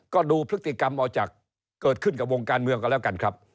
ก็ดูพฤติกรรมออกจากเกิดขึ้นกับวงการเมืองกันแล้วกันครับ